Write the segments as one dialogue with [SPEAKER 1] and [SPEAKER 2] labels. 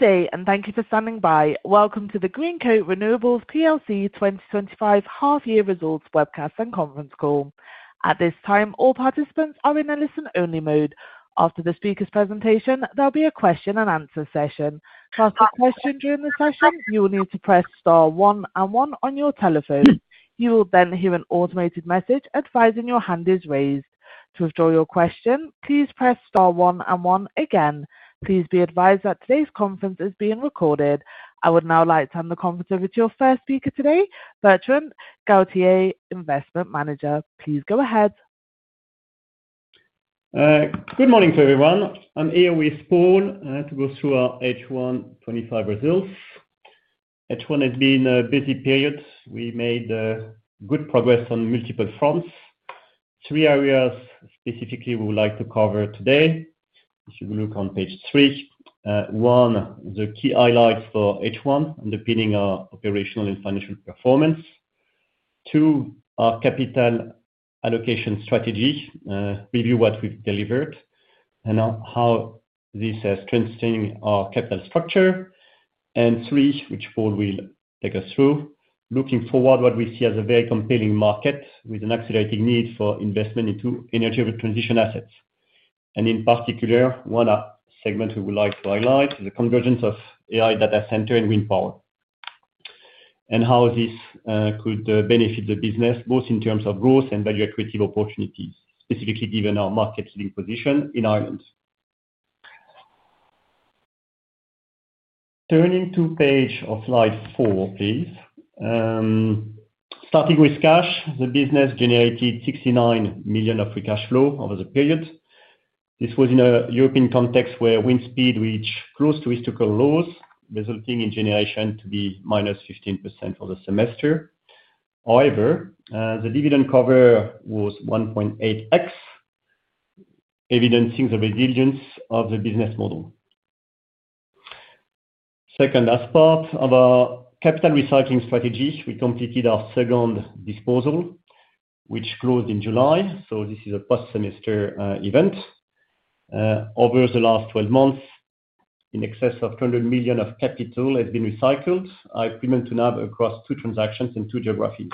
[SPEAKER 1] Stay, and thank you for standing by. Welcome to the Greencoat Renewables PLC 2025 Half-Year Results Webcast and Conference Call. At this time, all participants are in a listen-only mode. After the speaker's presentation, there'll be a question and answer session. To ask a question during the session, you will need to press star one and one on your telephone. You will then hear an automated message advising your hand is raised. To withdraw your question, please press star one and one again. Please be advised that today's conference is being recorded. I would now like to hand the conference over to our first speaker today, Bertrand Gautier, Investment Manager. Please go ahead.
[SPEAKER 2] Good morning to everyone. I'm here with Paul to go through our H1 2025 results. H1 has been a busy period. We made good progress on multiple fronts. Three areas specifically we would like to cover today. If you look on page three, one, the key highlights for H1, underpinning our operational and financial performance. Two, our capital allocation strategy, review what we've delivered, and how this has strengthened our capital structure. Three, which Paul will take us through, looking forward to what we see as a very compelling market with an accelerating need for investment into energy transition assets. In particular, one segment we would like to highlight is the convergence of AI data center and wind power, and how this could benefit the business both in terms of growth and value-acquisitive opportunities, specifically given our market-leading position in Ireland. Turning to page or slide four, please. Starting with cash, the business generated 69 million of free cash flow over the period. This was in a European context where wind speed reached close to historical lows, resulting in generation to be -15% for the semester. However, the dividend cover was 1.8x, evidencing the resilience of the business model. Second aspect of our capital recycling strategy, we completed our second disposal, which closed in July. This is a post-semester event. Over the last 12 months, in excess of 100 million of capital has been recycled, at premium to NAV across two transactions in two geographies.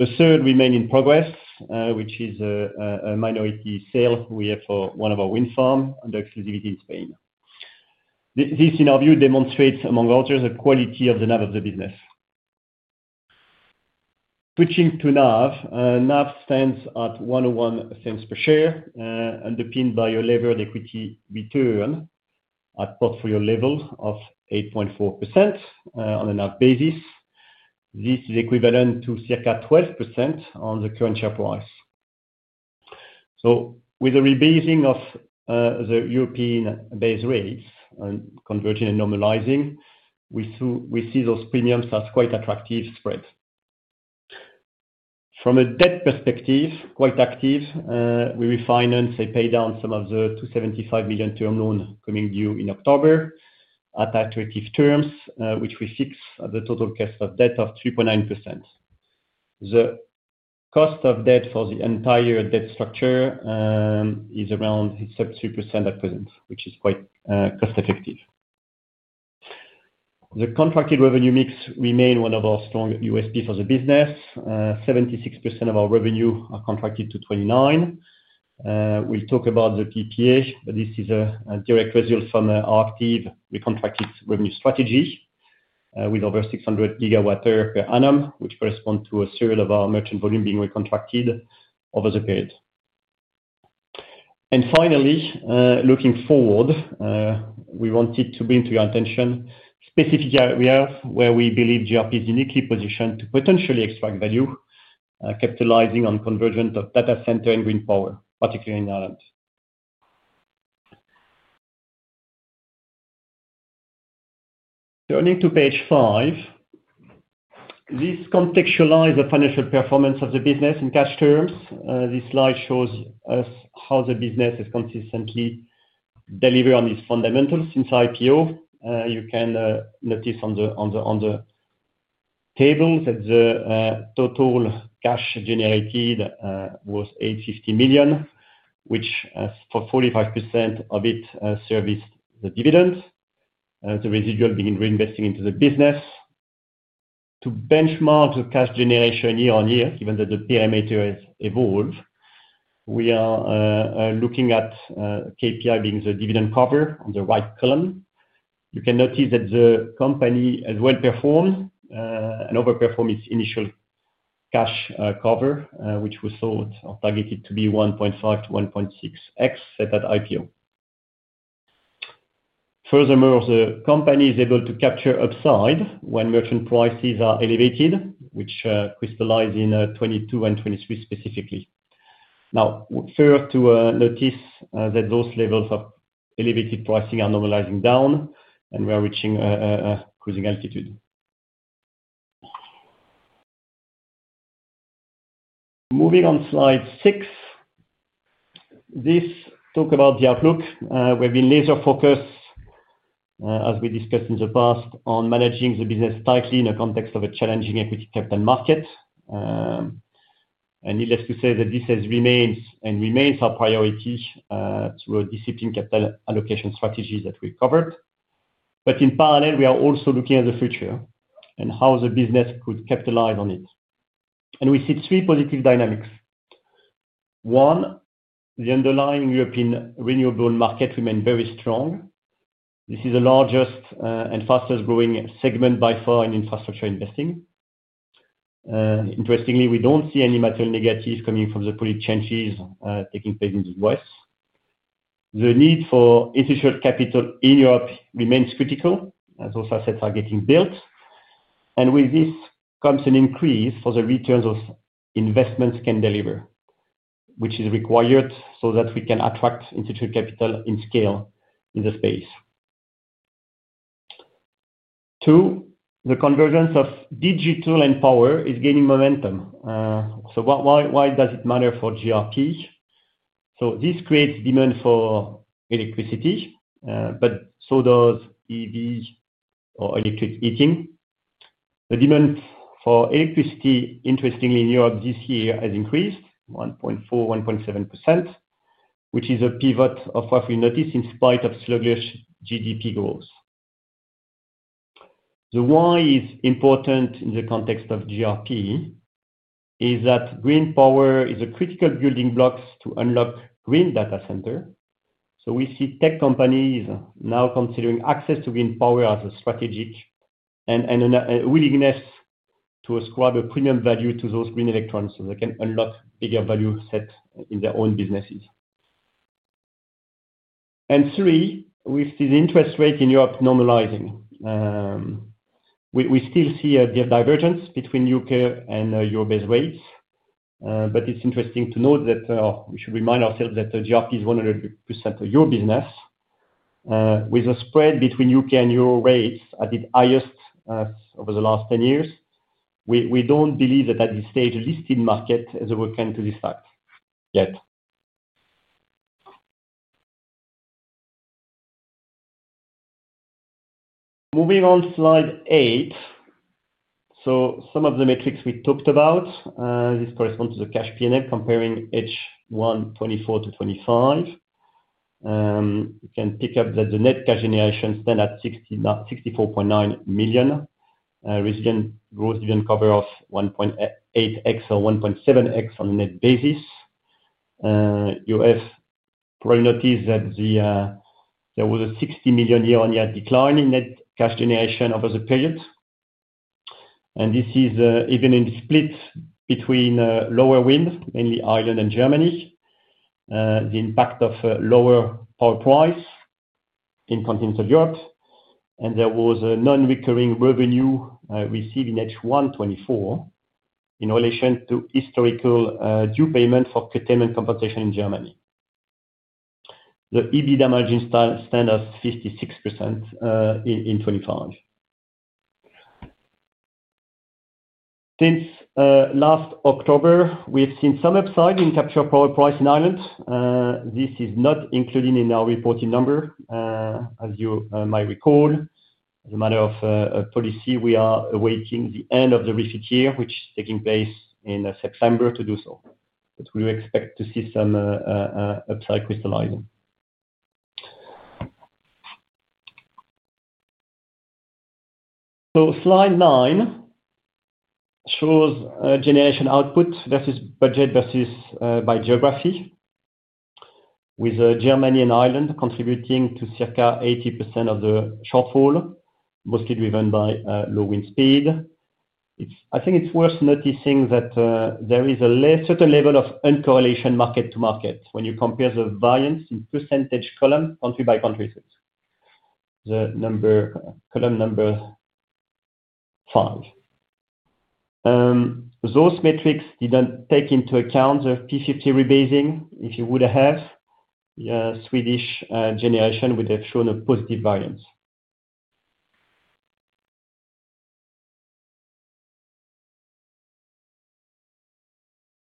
[SPEAKER 2] The third remained in progress, which is a minority sale we have for one of our wind farms, the exclusivity in Spain. This, in our view, demonstrates, among others, the quality of the NAV of the business. Switching to NAVs, NAV stands at 1.01 per share, underpinned by a levered equity return at portfolio level of 8.4% on a NAV basis. This is equivalent to circa 12% on the current share price. With a rebasing of the European base rates, converting and normalizing, we see those premiums as quite attractive spreads. From a debt perspective, quite active, we refinance and pay down some of the 275 million term loans coming due in October at attractive terms, which we fix at the total cost of debt of 3.9%. The cost of debt for the entire debt structure is around sub 3% at present, which is quite cost-effective. The contracted revenue mix remains one of our strong USPs for the business. 76% of our revenue are contracted to 2029. We'll talk about the PTA, but this is a direct result from our active reconstructed revenue strategy with over 600 GWh per annum, which corresponds to a serial of our merchant volume being reconstructed over the period. Finally, looking forward, we wanted to bring to your attention specific areas where we believe Greencoat Renewables is uniquely positioned to potentially extract value, capitalizing on convergence of data center and wind power, particularly in Ireland. Turning to page five, this contextualizes the financial performance of the business in cash terms. This slide shows us how the business has consistently delivered on these fundamentals since IPO. You can notice on the tables that the total cash generated was 850 million, which for 45% of it serviced the dividends, the residual being reinvesting into the business. To benchmark the cash generation year on year, given that the pyramid has evolved, we are looking at KPI being the dividend cover on the right column. You can notice that the company has well performed and overperformed its initial cash cover, which was sold or targeted to be 1.5x-1.6x set at IPO. Furthermore, the company is able to capture upside when merchant prices are elevated, which crystallized in 2022 and 2023 specifically. Now, we're fair to notice that those levels of elevated pricing are normalizing down and we are reaching a cruising altitude. Moving on slide six, this talks about the outlook. We've been laser-focused, as we discussed in the past, on managing the business tightly in the context of a challenging equity capital market. Needless to say, that this remains and remains our priority through a disciplined capital allocation strategy that we've covered. In parallel, we are also looking at the future and how the business could capitalize on it. We see three positive dynamics. One, the underlying European renewable market remains very strong. This is the largest and fastest growing segment by far in infrastructure investing. Interestingly, we don't see any material negatives coming from the policy changes taking place in the U.S. The need for institutional capital in Europe remains critical as those assets are getting built. With this comes an increase for the returns of investments can deliver, which is required so that we can attract institutional capital in scale in the space. Two, the convergence of digital and power is gaining momentum. Why does it matter for GRP? This creates demand for electricity, but so does EV or electric heating. The demand for electricity, interestingly, in Europe this year has increased 1.4%-1.7%, which is a pivot of profitability in spite of sluggish GDP growth. The why is important in the context of GRP is that green power is a critical building block to unlock green data center. We see tech companies now considering access to green power as strategic and willingness to ascribe a premium value to those green electrons so they can unlock bigger value set in their own businesses. We see the interest rate in Europe normalizing. We still see a divergence between U.K. and EU-based rates, but it's interesting to note that we should remind ourselves that GRP is 100% EU business. With a spread between U.K. and EU rates at its highest over the last 10 years, we don't believe that at this stage a listed market is a good candidate to start yet. Moving on to slide eight. Some of the metrics we talked about, this corresponds to the cash P&L comparing H1 2024 to 2025. You can pick up that the net cash generation stands at 64.9 million, resilient gross dividend cover of 1.8x or 1.7x on a net basis. You have probably noticed that there was a 60 million year-on-year decline in net cash generation over the period. This is even in the split between lower wind, mainly Ireland and Germany, the impact of lower power price in continental Europe. There was a non-recurring revenue received in H1 2024 in relation to historical due payment for procurement compensation in Germany. The EBITDA margin stands at 56% in 2025. Since last October, we have seen some upside in capture power price in Ireland. This is not included in our reporting number. As you might recall, as a matter of policy, we are awaiting the end of the recent year, which is taking place in September, to do so. We expect to see some upside crystallizing. Slide nine shows generation output versus budget by geography, with Germany and Ireland contributing to circa 80% of the shortfall, mostly driven by low wind speed. I think it's worth noticing that there is a certain level of uncorrelation market to market when you compare the variance in percentage column country by country, the number column number five. Those metrics didn't take into account the P50 rebasing. If you would have, the Swedish generation would have shown a positive variance.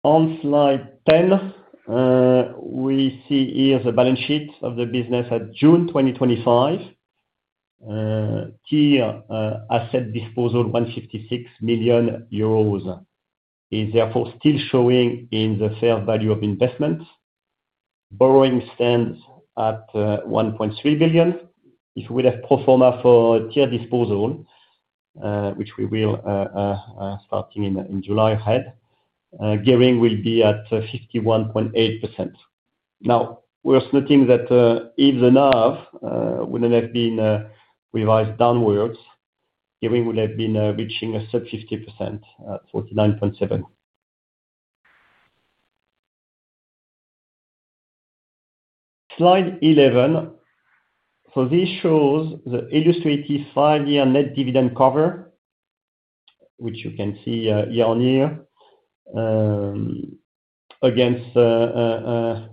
[SPEAKER 2] On slide 10, we see here the balance sheet of the business at June 2025. Here, asset disposal 156 million euros is therefore still showing in the fair value of investments. Borrowing stands at 1.3 billion. If we would have pro forma for tier disposal, which we will start in July ahead, gearing will be at 51.8%. Now, worth noting that if the NAV wouldn't have been revised downwards, gearing would have been reaching a sub 50% at 49.7%. Slide 11. This shows the illustrated five-year net dividend cover, which you can see year on year, against or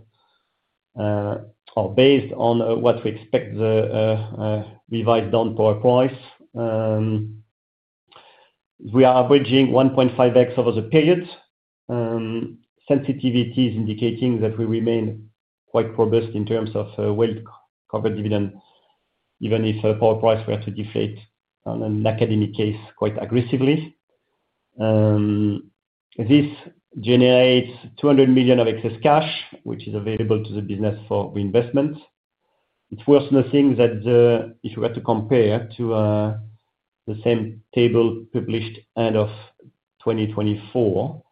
[SPEAKER 2] based on what we expect the revised down power price. We are averaging 1.5x over the period. Sensitivities indicating that we remain quite robust in terms of well-covered dividends, even if the power price were to deflate on an academic case quite aggressively. This generates 200 million of excess cash, which is available to the business for reinvestment. It's worth noting that if you were to compare to the same table published end of 2024,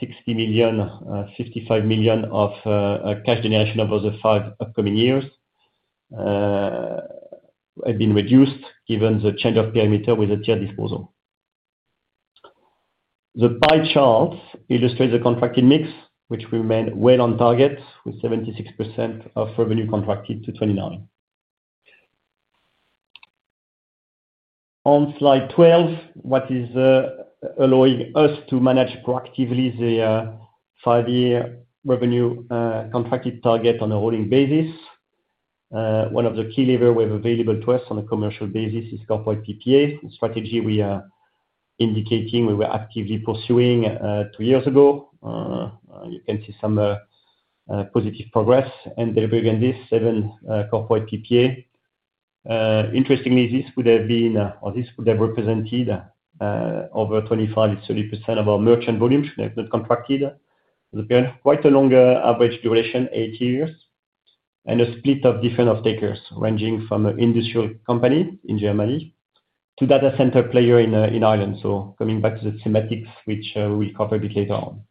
[SPEAKER 2] 60 million, 55 million of cash generation over the five upcoming years had been reduced given the change of pyramid with the tier disposal. The pie charts illustrate the contracted mix, which remained well on target with 76% of revenue contracted to 2029. On slide 12, what is allowing us to manage proactively the five-year revenue contracted target on a rolling basis? One of the key levers we have available to us on a commercial basis is corporate PPA, a strategy we are indicating we were actively pursuing two years ago. You can see some positive progress and delivery against this, seven corporate PPAs. Interestingly, this would have been, or this would have represented over 25%-30% of our merchant volumes should have not contracted for the period. Quite a long average duration, eight years, and a split of different stakeholders ranging from an industrial company in Germany to data center players in Ireland. Coming back to the thematics, which we'll cover a bit later on.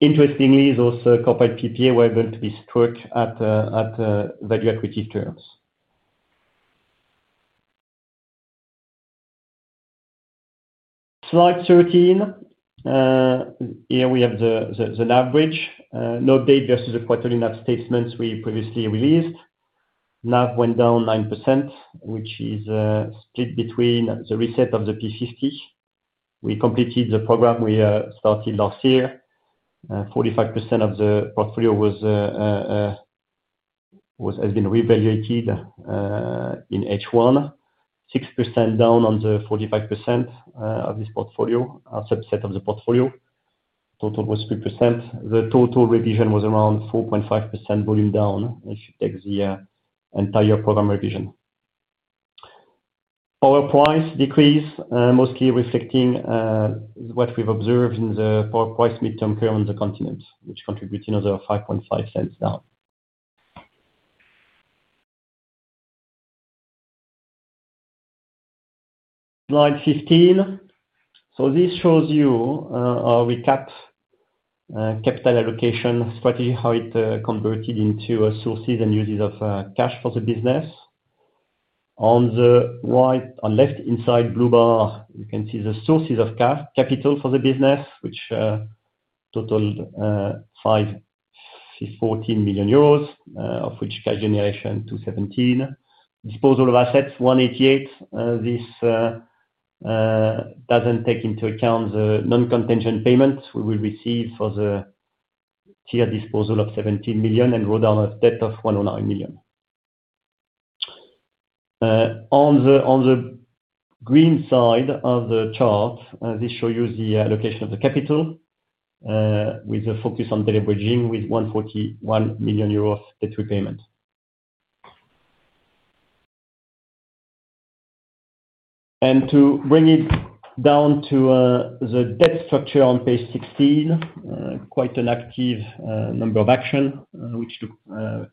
[SPEAKER 2] Interestingly, those corporate PPAs were able to be struck at value-acquisitive terms. Slide 13. Here we have the NAV bridge, an update versus the quarterly NAV statements we previously released. NAV went down 9%, which is split between the reset of the P50. We completed the program we started last year. 45% of the portfolio has been reevaluated in H1, 6% down on the 45% of this portfolio, outside the set of the portfolio. Total was 3%. The total revision was around 4.5% volume down if you take the entire program revision. Power price decrease, mostly reflecting what we've observed in the power price mid-term curve on the continent, which contributed another 0.055 down. Slide 15. This shows you our recap, capital allocation strategy, how it converted into sources and uses of cash for the business. On the right, on the left-hand side blue bar, you can see the sources of capital for the business, which totaled 514 million euros, of which cash generation 217 million. Disposal of assets, 188 million, this doesn't take into account the non-contingent payments we will receive for the tier disposal of 17 million and rolled down of debt of 109 million. On the green side of the chart, this shows you the allocation of the capital with a focus on delivering with 141 million euros of debt repayment. To bring it down to the debt structure on page 16, quite an active number of actions, which look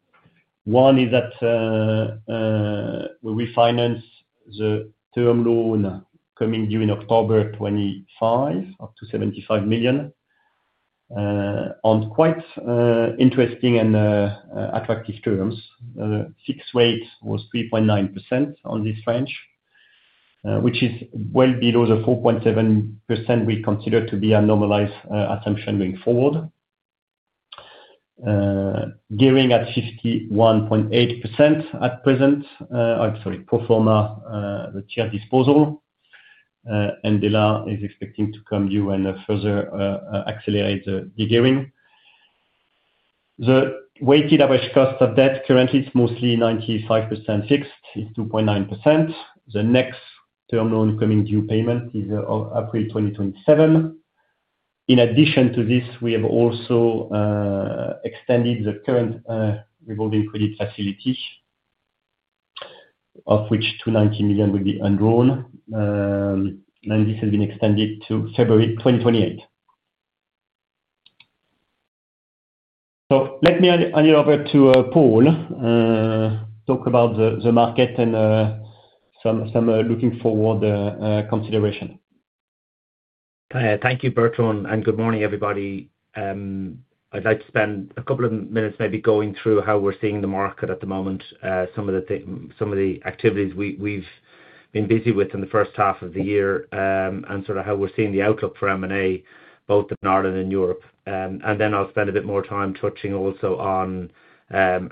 [SPEAKER 2] one is that we refinanced the term loan coming due in October 2025 up to 75 million. On quite interesting and attractive terms, the fixed rate was 3.9% on this range, which is well below the 4.7% we consider to be a normalized assumption going forward. Gearing at 51.8% at present, I'm sorry, pro forma the tier disposal, and the law is expecting to come due and further accelerate the gearing. The weighted average cost of debt currently is mostly 95% fixed, is 2.9%. The next term loan coming due payment is April 2027. In addition to this, we have also extended the current revolving credit facility, of which 219 million would be undrawn, and this has been extended to February 2028. Let me hand it over to Paul to talk about the market and some looking forward consideration.
[SPEAKER 3] Thank you, Bertrand, and good morning, everybody. I'd like to spend a couple of minutes maybe going through how we're seeing the market at the moment, some of the activities we've been busy with in the first half of the year, and how we're seeing the outlook for M&A, both in Ireland and Europe. I'll spend a bit more time touching also on the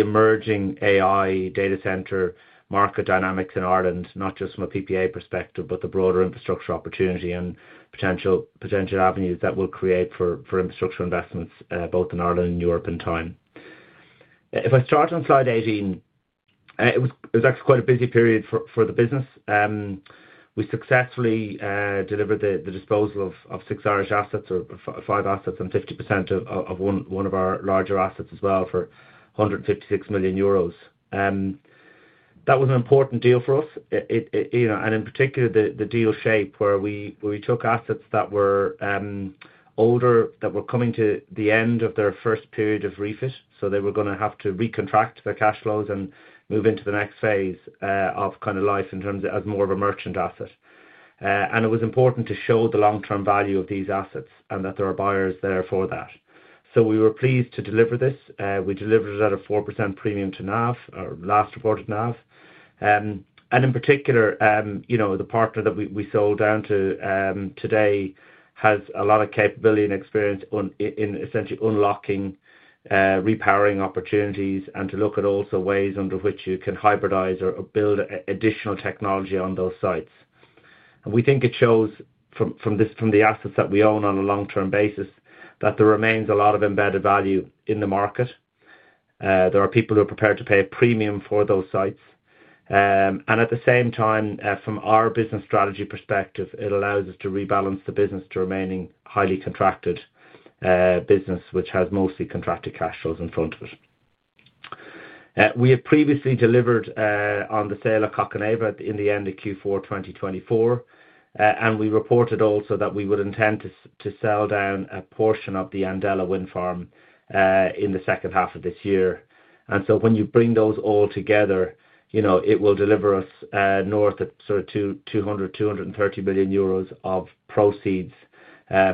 [SPEAKER 3] emerging AI data center market dynamics in Ireland, not just from a PPA perspective, but the broader infrastructure opportunity and potential avenues that we'll create for infrastructure investments, both in Ireland and Europe in time. If I start on slide 18, it was actually quite a busy period for the business. We successfully delivered the disposal of six Irish assets, or five assets, and 50% of one of our larger assets as well for EUR RI156 million. That was an important deal for us. In particular, the deal shape where we took assets that were older, that were coming to the end of their first period of refit, so they were going to have to recontract their cash flows and move into the next phase of kind of life in terms of as more of a merchant asset. It was important to show the long-term value of these assets and that there are buyers there for that. We were pleased to deliver this. We delivered it at a 4% premium to NAV, our last reported NAV. In particular, the partner that we sold down to today has a lot of capability and experience in essentially unlocking repowering opportunities and to look at also ways under which you can hybridize or build additional technology on those sites. We think it shows from the assets that we own on a long-term basis that there remains a lot of embedded value in the market. There are people who are prepared to pay a premium for those sites. At the same time, from our business strategy perspective, it allows us to rebalance the business to remaining highly contracted business, which has mostly contracted cash flows in front of it. We have previously delivered on the sale of Kokkoneva in the end of Q4 2024. We reported also that we would intend to sell down a portion of the Andella wind farm in the second half of this year. When you bring those all together, it will deliver us north of 200 billion euros, 230 billion euros of proceeds,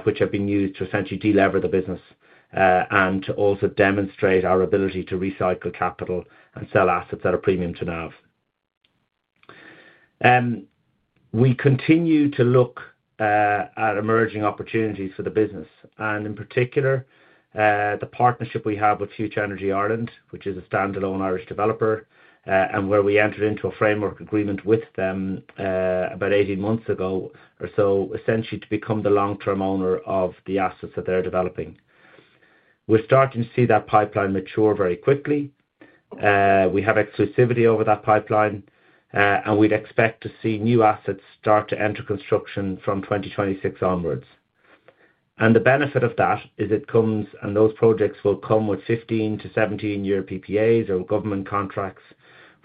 [SPEAKER 3] which are being used to essentially delever the business and to also demonstrate our ability to recycle capital and sell assets at a premium to NAV. We continue to look at emerging opportunities for the business. In particular, the partnership we have with FutureEnergy Ireland, which is a standalone Irish developer, and where we entered into a framework agreement with them about 18 months ago or so, essentially to become the long-term owner of the assets that they're developing. We're starting to see that pipeline mature very quickly. We have exclusivity over that pipeline, and we'd expect to see new assets start to enter construction from 2026 onwards. The benefit of that is it comes, and those projects will come with 15 year-17 year Power Purchase Agreements or government contracts,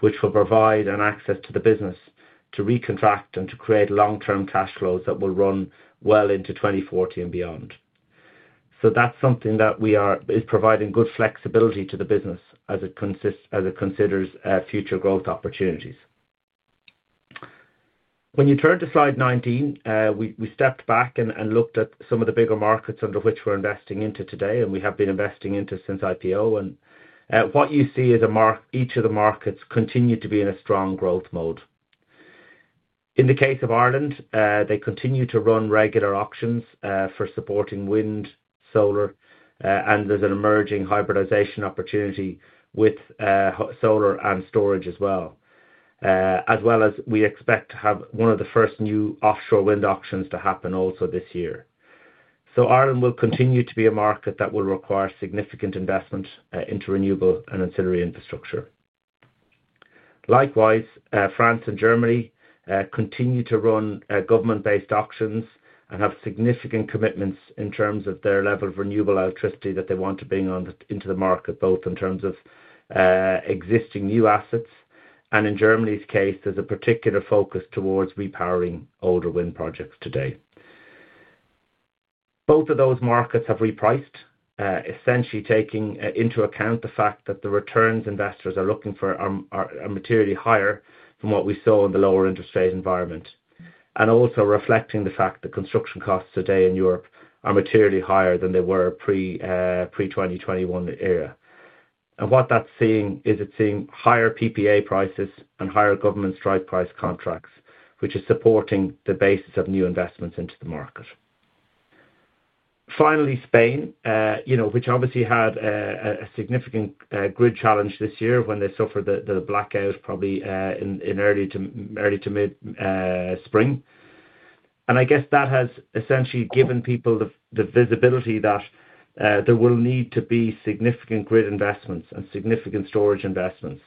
[SPEAKER 3] which will provide an access to the business to recontract and to create long-term cash flows that will run well into 2040 and beyond. That's something that is providing good flexibility to the business as it considers future growth opportunities. When you turn to slide 19, we stepped back and looked at some of the bigger markets under which we're investing into today, and we have been investing into since IPO. What you see is each of the markets continues to be in a strong growth mode. In the case of Ireland, they continue to run regular auctions for supporting wind, solar, and there's an emerging hybridization opportunity with solar and storage as well. We expect to have one of the first new offshore wind auctions to happen also this year. Ireland will continue to be a market that will require significant investment into renewable and ancillary infrastructure. Likewise, France and Germany continue to run government-based auctions and have significant commitments in terms of their level of renewable electricity that they want to bring into the market, both in terms of existing new assets. In Germany's case, there's a particular focus towards repowering older wind projects today. Both of those markets have repriced, essentially taking into account the fact that the returns investors are looking for are materially higher than what we saw in the lower interest rate environment. This also reflects the fact that construction costs today in Europe are materially higher than they were pre-2021 era. What that's seeing is it's seeing higher PPA prices and higher government strike price contracts, which is supporting the basis of new investments into the market. Finally, Spain, which obviously had a significant grid challenge this year when they suffered the blackout probably in early to mid-spring. I guess that has essentially given people the visibility that there will need to be significant grid investments and significant storage investments.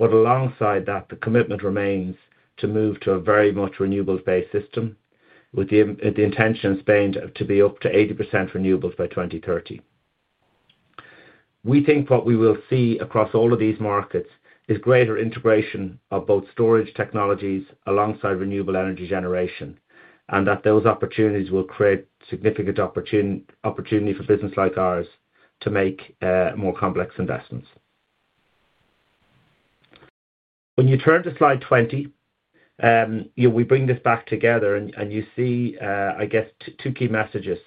[SPEAKER 3] Alongside that, the commitment remains to move to a very much renewable-based system with the intention of Spain to be up to 80% renewables by 2030. We think what we will see across all of these markets is greater integration of both storage technologies alongside renewable energy generation, and that those opportunities will create significant opportunity for business like ours to make more complex investments. When you turn to slide 20, we bring this back together and you see, I guess, two key messages.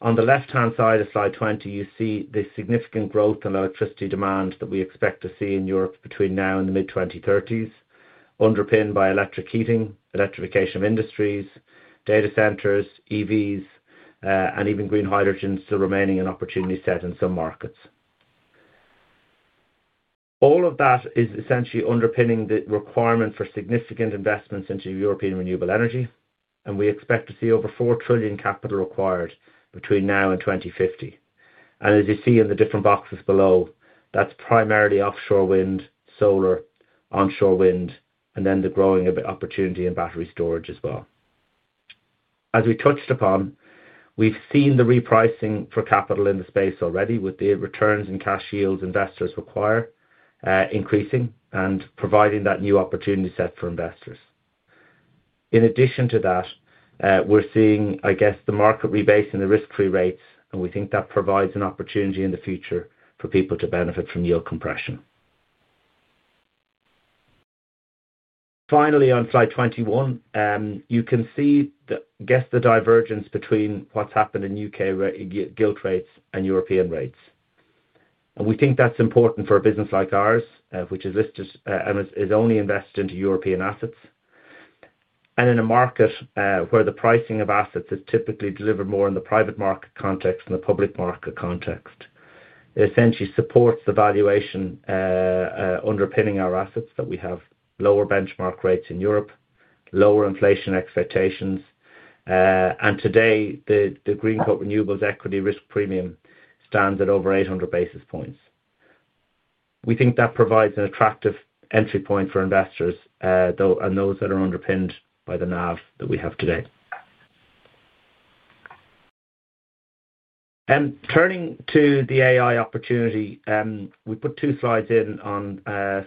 [SPEAKER 3] On the left-hand side of slide 20, you see the significant growth in electricity demand that we expect to see in Europe between now and the mid-2030s, underpinned by electric heating, electrification of industries, data centers, EVs, and even green hydrogen still remaining an opportunity set in some markets. All of that is essentially underpinning the requirement for significant investments into European renewable energy, and we expect to see over 4 trillion capital required between now and 2050. As you see in the different boxes below, that's primarily offshore wind, solar, onshore wind, and then the growing opportunity in battery storage as well. As we touched upon, we've seen the repricing for capital in the space already with the returns and cash yields investors require increasing and providing that new opportunity set for investors. In addition to that, we're seeing, I guess, the market rebasing the risk-free rates, and we think that provides an opportunity in the future for people to benefit from yield compression. Finally, on slide 21, you can see, I guess, the divergence between what's happened in U.K. gilt rates and European rates. We think that's important for a business like ours, which is listed and is only invested into European assets. In a market where the pricing of assets is typically delivered more in the private market context than the public market context, it essentially supports the valuation underpinning our assets that we have lower benchmark rates in Europe, lower inflation expectations, and today the Greencoat Renewables Equity Risk Premium stands at over 800 basis points. We think that provides an attractive entry point for investors, though, and those that are underpinned by the NAV that we have today. Turning to the AI opportunity, we put two slides in on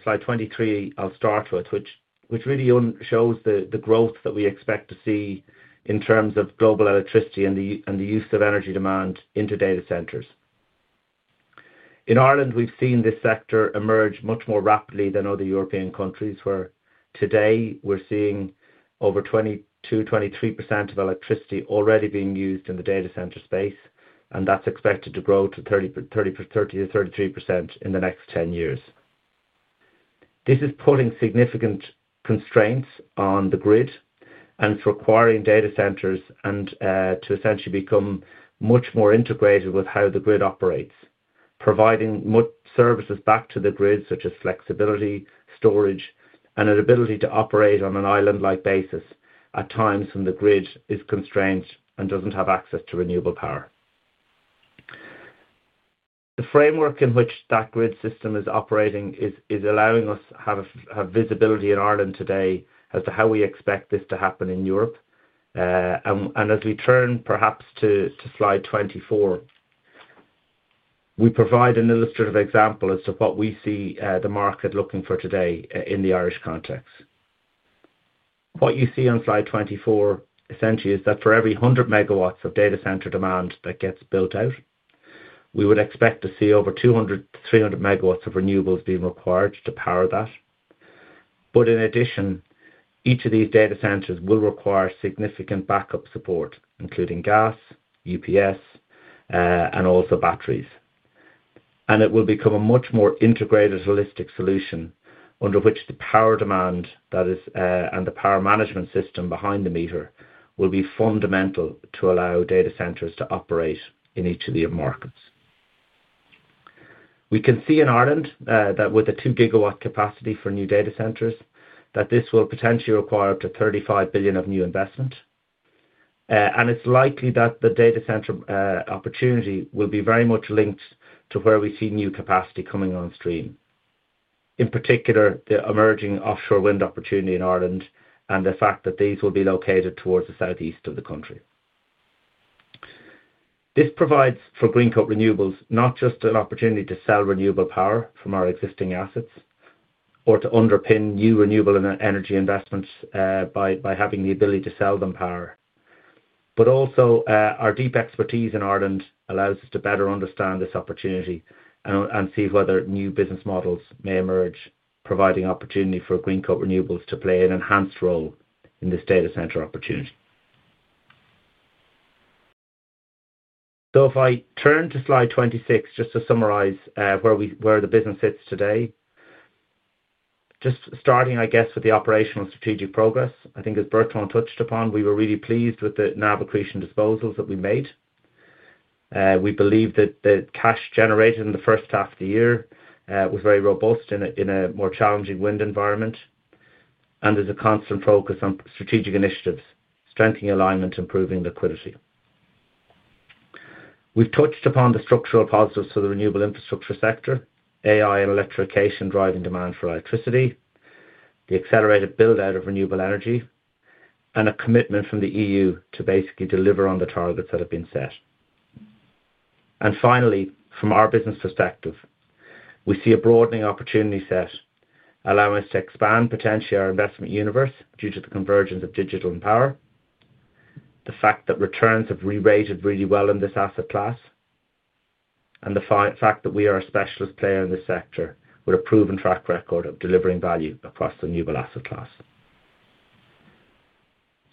[SPEAKER 3] slide 23 I'll start with, which really shows the growth that we expect to see in terms of global electricity and the use of energy demand into data centers. In Ireland, we've seen this sector emerge much more rapidly than other European countries where today we're seeing over 22%, 23% of electricity already being used in the data center space, and that's expected to grow to 30% to 33% in the next 10 years. This is putting significant constraints on the grid, and it's requiring data centers to essentially become much more integrated with how the grid operates, providing much services back to the grid, such as flexibility, storage, and an ability to operate on an island-like basis at times when the grid is constrained and doesn't have access to renewable power. The framework in which that grid system is operating is allowing us to have visibility in Ireland today as to how we expect this to happen in Europe. As we turn perhaps to slide 24, we provide an illustrative example as to what we see the market looking for today in the Irish context. What you see on slide 24 essentially is that for every 100 MW of data center demand that gets built out, we would expect to see over 200 MW-300 MW of renewables being required to power that. In addition, each of these data centers will require significant backup support, including gas, UPS, and also batteries. It will become a much more integrated, holistic solution under which the power demand that is and the power management system behind the meter will be fundamental to allow data centers to operate in each of the markets. We can see in Ireland that with a t 2 GW capacity for new data centers, this will potentially require up to 35 billion of new investment. It's likely that the data center opportunity will be very much linked to where we see new capacity coming on stream, in particular, the emerging offshore wind opportunity in Ireland and the fact that these will be located towards the southeast of the country. This provides for Greencoat Renewables not just an opportunity to sell renewable power from our existing assets or to underpin new renewable energy investments by having the ability to sell them power, but also our deep expertise in Ireland allows us to better understand this opportunity and see whether new business models may emerge, providing opportunity for Greencoat Renewables to play an enhanced role in this data center opportunity. If I turn to slide 26 just to summarize where the business sits today, just starting, I guess, with the operational strategic progress. I think as Bertrand touched upon, we were really pleased with the NAV accretion disposals that we made. We believe that the cash generated in the first half of the year was very robust in a more challenging wind environment, and there's a constant focus on strategic initiatives, strengthening alignment, improving liquidity. We've touched upon the structural positives for the renewable infrastructure sector, AI and electrification driving demand for electricity, the accelerated build-out of renewable energy, and a commitment from the EU to basically deliver on the targets that have been set. Finally, from our business perspective, we see a broadening opportunity set allowing us to expand potentially our investment universe due to the convergence of digital and power, the fact that returns have re-rated really well in this asset class, and the fact that we are a specialist player in this sector with a proven track record of delivering value across the renewable asset class.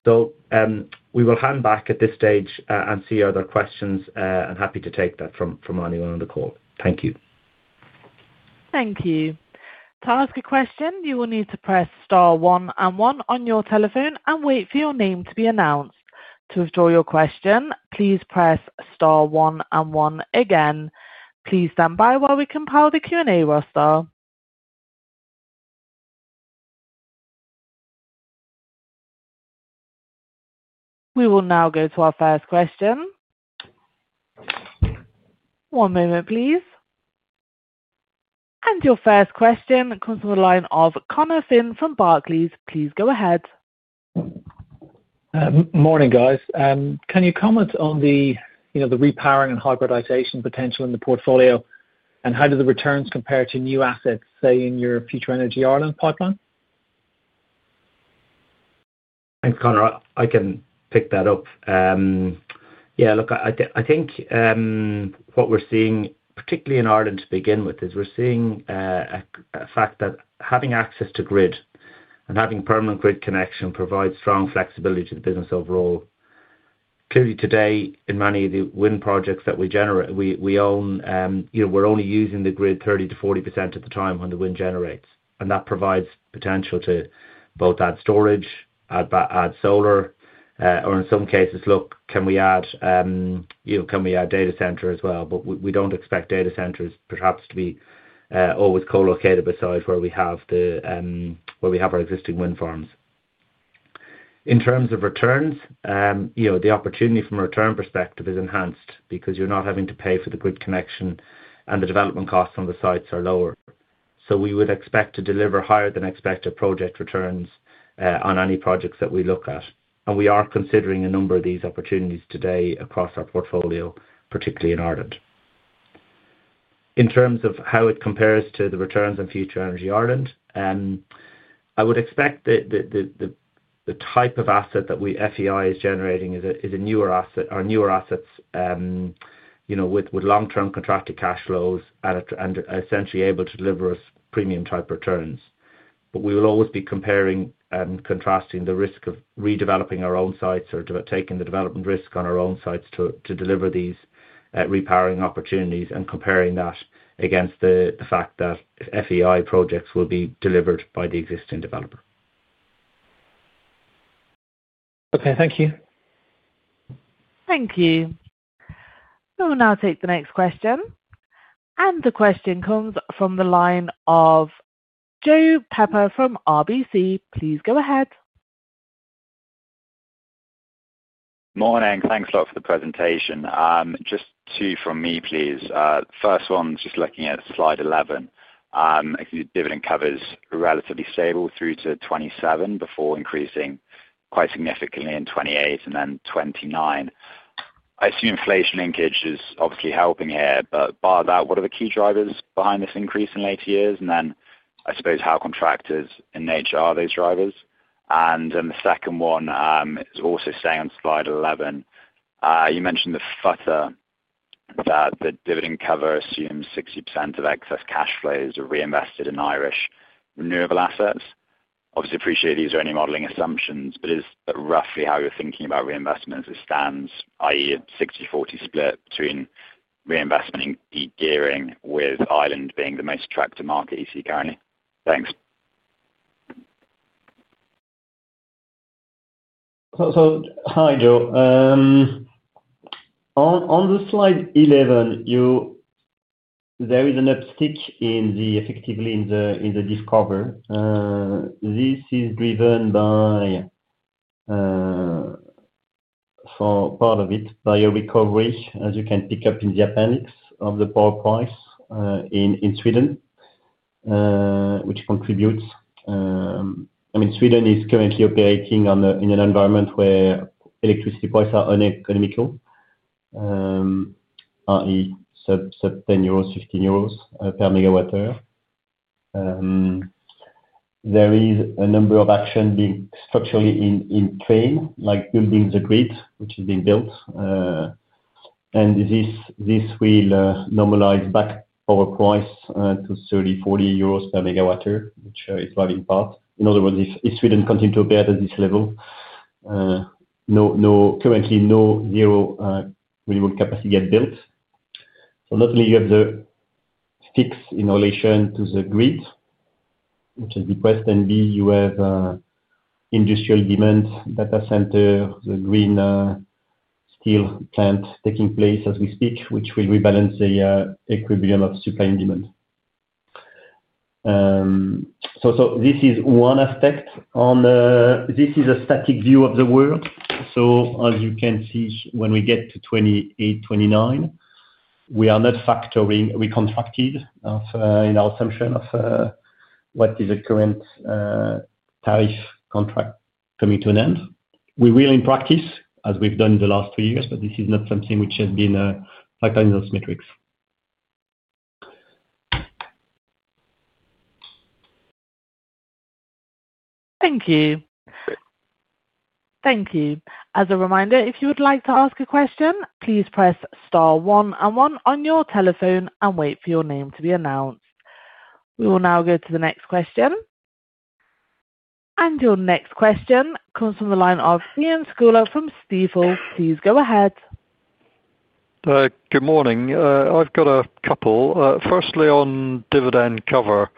[SPEAKER 3] We will hand back at this stage and see other questions. I'm happy to take that from anyone on the call. Thank you.
[SPEAKER 1] Thank you. To ask a question, you will need to press star one and one on your telephone and wait for your name to be announced. To withdraw your question, please press star one and one again. Please stand by while we compile the Q&A roster. We will now go to our first question. One moment, please. Your first question comes from a line of Connor Finn from Barclays. Please go ahead.
[SPEAKER 4] Morning, guys. Can you comment on the repowering and hybridization potential in the portfolio? How do the returns compare to new assets, say, in your FutureEnergy Ireland pipeline?
[SPEAKER 3] Thanks, Connor. I can pick that up. I think what we're seeing, particularly in Ireland to begin with, is we're seeing a fact that having access to grid and having permanent grid connection provides strong flexibility to the business overall. Clearly, today, in many of the wind projects that we generate, we own, we're only using the grid 30%-40% of the time when the wind generates. That provides potential to both add storage, add solar, or in some cases, look, can we add data center as well? We don't expect data centers perhaps to be always co-located besides where we have our existing wind farms. In terms of returns, the opportunity from a return perspective is enhanced because you're not having to pay for the grid connection and the development costs on the sites are lower. We would expect to deliver higher than expected project returns on any projects that we look at. We are considering a number of these opportunities today across our portfolio, particularly in Ireland. In terms of how it compares to the returns in FutureEnergy Ireland, I would expect that the type of asset that FutureEnergy Ireland is generating is a newer asset, our newer assets, with long-term contracted cash flows and essentially able to deliver us premium-type returns. We will always be comparing and contrasting the risk of redeveloping our own sites or taking the development risk on our own sites to deliver these repowering opportunities and comparing that against the fact that Future Energy Ireland projects will be delivered by the existing developer.
[SPEAKER 4] Okay, thank you.
[SPEAKER 1] Thank you. We will now take the next question. The question comes from the line of Joe Pepper from RBC. Please go ahead.
[SPEAKER 5] Morning. Thanks a lot for the presentation. Just two from me, please. First one is just looking at slide 11. I think the dividend coverage is relatively stable through to 2027 before increasing quite significantly in 2028 and then 2029. I assume inflation linkage is obviously helping here, but bar that, what are the key drivers behind this increase in later years? I suppose how contracted in nature are those drivers? The second one is also staying on slide 11. You mentioned the future that the dividend cover assumes 60% of excess cash flows are reinvested in Irish renewable assets. Obviously, I appreciate these are only modeling assumptions, but is that roughly how you're thinking about reinvestment as it stands, i.e. a 60/40 split between reinvestment and degearing, with Ireland being the most attractive market you see currently? Thanks.
[SPEAKER 2] Hi, Joe. On slide 11, there is an uptick effectively in the discover. This is driven by, for part of it, by your recovery, as you can pick up in the appendix of the power price in Sweden, which contributes. I mean, Sweden is currently operating in an environment where electricity prices are uneconomical, i.e. sub EUR 10, EUR 15 per MWh. There is a number of actions being structurally in train, like building the grid, which is being built. This will normalize back power price to 30, 40 euros per MWh, which is driving part. In other words, if Sweden continues to operate at this level, currently no zero renewable capacity get built. Not only do you have the sticks in relation to the grid, which is depressed, and B, you have industrial demand, data center, the green steel plant taking place as we speak, which will rebalance the equilibrium of supply and demand. This is one aspect. This is a static view of the world. As you can see, when we get to 2028, 2029, we are not factoring reconstructed in our assumption of what is the current tariff contract coming to an end. We will in practice, as we've done in the last two years, but this is not something which has been a factor in those metrics.
[SPEAKER 1] Thank you. Thank you. As a reminder, if you would like to ask a question, please press star one and one on your telephone and wait for your name to be announced. We will now go to the next question. Your next question comes from the line of Iain Scouller from Stifel. Please go ahead.
[SPEAKER 6] Good morning. I've got a couple. Firstly, on dividend cover,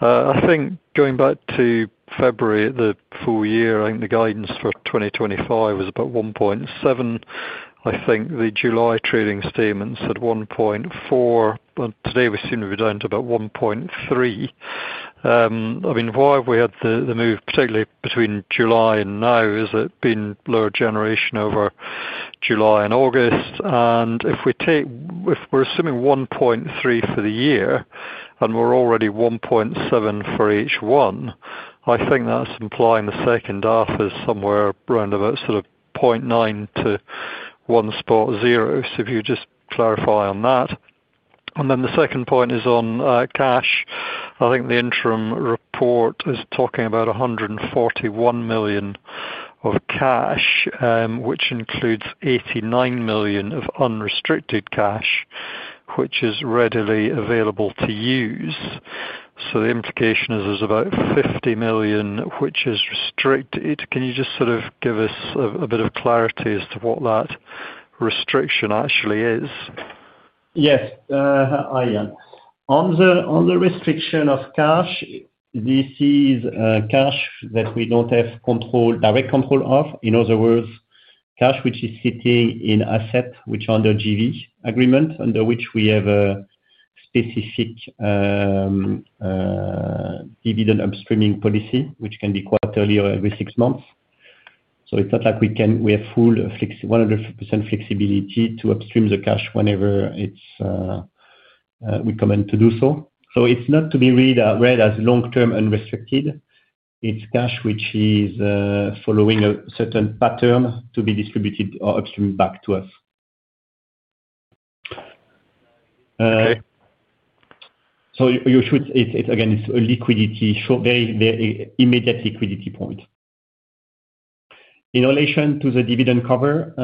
[SPEAKER 6] I think going back to February the full year, I think the guidance for 2025 was about 1.7. I think the July trading statements said 1.4, but today we assume we're down to about 1.3. I mean, why have we had the move, particularly between July and now, has it been lower generation over July and August? If we're assuming 1.3 for the year and we're already 1.7 for each one, I think that's implying the second half is somewhere around about sort of 0.9-1.0. If you just clarify on that. The second point is on cash. I think the interim report is talking about 141 million of cash, which includes 89 million of unrestricted cash, which is readily available to use. The implication is there's about 50 million which is restricted. Can you just sort of give us a bit of clarity as to what that restriction actually is?
[SPEAKER 2] Yes. I am. On the restriction of cash, this is cash that we don't have direct control of. In other words, cash which is sitting in assets which are under GV agreement, under which we have a specific dividend upstreaming policy, which can be quarterly or every six months. It's not like we have full flexibility, 100% flexibility to upstream the cash whenever we command to do so. It's not to be read as long-term unrestricted. It's cash which is following a certain pattern to be distributed or upstreamed back to us. You should, again, it's a liquidity, very, very immediate liquidity point. In relation to the dividend cover,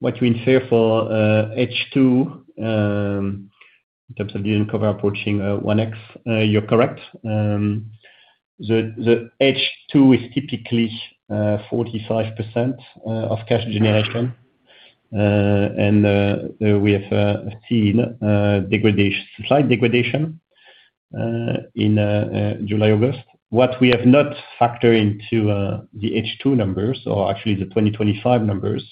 [SPEAKER 2] what you infer for H2, in terms of dividend cover approaching 1x, you're correct. The H2 is typically 45% of cash generated. We have seen slight degradation in July, August. What we have not factored into the H2 numbers, or actually the 2025 numbers,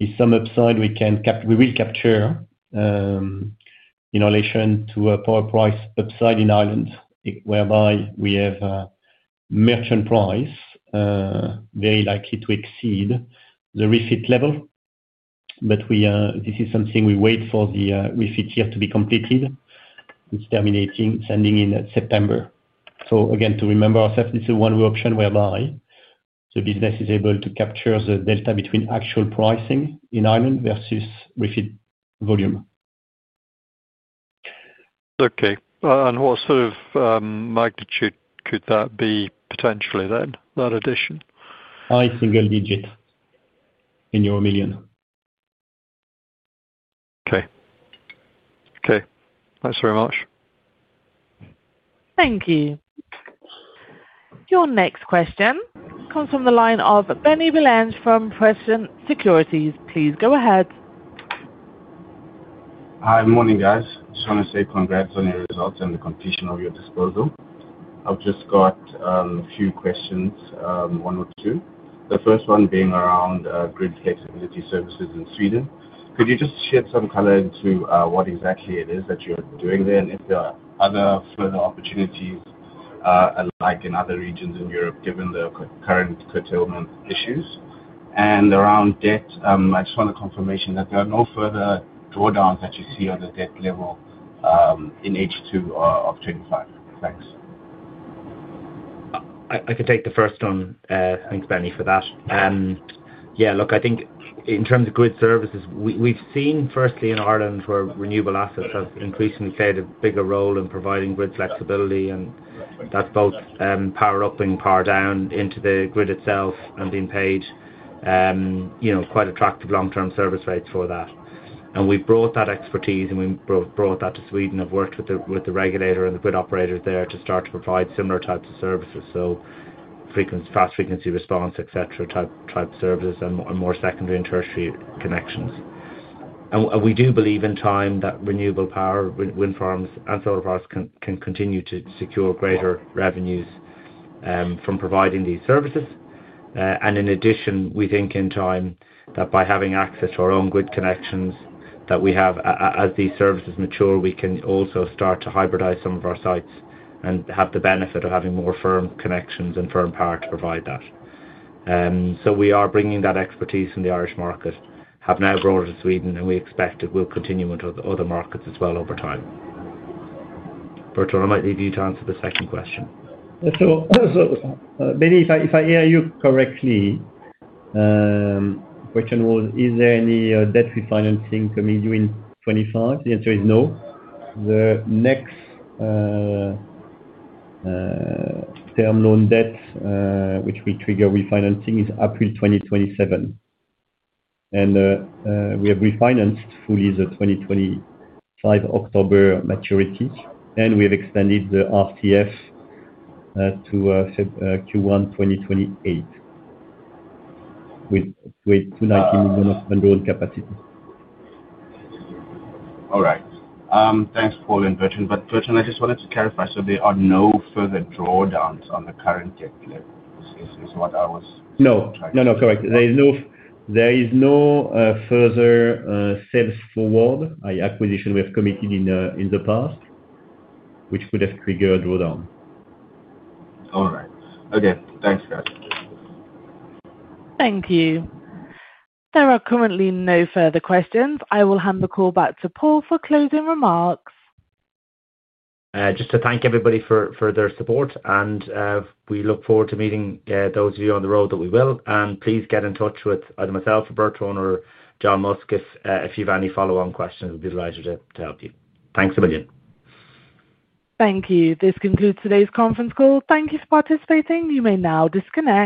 [SPEAKER 2] is some upside we will capture in relation to a power price upside in Ireland, whereby we have a merchant price very likely to exceed the refit level. This is something we wait for the refit year to be completed, which is terminating, sending in at September. Again, to remember ourselves, this is one option whereby the business is able to capture the delta between actual pricing in Ireland versus refit volume.
[SPEAKER 6] What sort of magnitude could that be potentially then, that addition?
[SPEAKER 2] I think single digit in your million.
[SPEAKER 6] Okay. Thanks very much.
[SPEAKER 1] Thank you. Your next question comes from the line of Benny Belange from PSecurities. Please go ahead.
[SPEAKER 7] Hi, good morning, guys. I just want to say congrats on your results and the completion of your disposal. I've just got a few questions, one or two. The first one being around grid flexibility services in Sweden. Could you just shed some color into what exactly it is that you're doing there and if there are other further opportunities in other regions in Europe given the current curtailment issues? Around debt, I just want a confirmation that there are no further drawdowns that you see on the debt level in H2 of 2025. Thanks.
[SPEAKER 3] I could take the first one. Thanks, Benny, for that. Yeah, look, I think in terms of grid services, we've seen firstly in Ireland where renewable assets have increasingly played a bigger role in providing grid flexibility. That's both power up and power down into the grid itself and being paid quite attractive long-term service rates for that. We've brought that expertise and we brought that to Sweden. I've worked with the regulator and the grid operators there to start to provide similar types of services. Fast frequency response, et cetera, type services and more secondary and tertiary connections. We do believe in time that renewable power, wind farms, and solar farms can continue to secure greater revenues from providing these services. In addition, we think in time that by having access to our own grid connections that we have, as these services mature, we can also start to hybridize some of our sites and have the benefit of having more firm connections and firm power to provide that. We are bringing that expertise from the Irish market, have now brought it to Sweden, and we expect it will continue into other markets as well over time. Bertrand, I might leave you to answer the second question.
[SPEAKER 2] If I hear you correctly, the question was, is there any debt refinancing coming due in 2025? The answer is no. The next term loan debt which will trigger refinancing is April 2027. We have refinanced fully the 2025 October maturities, and we have extended the revolving credit facility to Q1 2028 with 290 million of vendor owned capacity.
[SPEAKER 7] All right. Thanks, Paul and Bertrand. Bertrand, I just wanted to clarify, so there are no further drawdowns on the current debt level is what I was.
[SPEAKER 2] No, correct. There is no further sales forward, i.e., acquisition we have committed in the past, which would have triggered a drawdown.
[SPEAKER 7] All right. Okay. Thanks, guys.
[SPEAKER 1] Thank you. There are currently no further questions. I will hand the call back to Paul O'Donnell for closing remarks.
[SPEAKER 3] Just to thank everybody for their support. We look forward to meeting those of you on the road that we will. Please get in touch with either myself, Bertrand Gautier, or John Musk if you've had any follow-on questions. We'd be delighted to help you. Thanks a million.
[SPEAKER 1] Thank you. This concludes today's conference call. Thank you for participating. You may now disconnect.